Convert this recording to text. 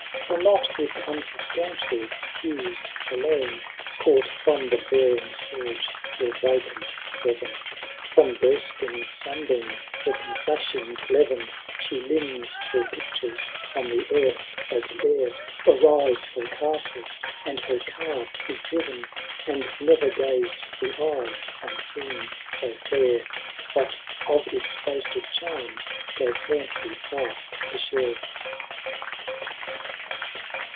For not with uiiBulwtaiitial hues alone, Caught from the TBzying miige, or vacant heaven, From bunting sanb«mi, or from flaahing levin. She limns her pictures: on the earth, as air. Arise her castles, and her car is driven ; And nevor gaxed the eye on scene so fiiir. But of its boasted channs gave Fancy half the share.